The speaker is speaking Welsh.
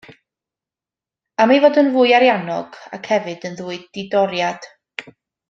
Am ei fod yn fwy ariannog, ac hefyd yn dwy didoriad.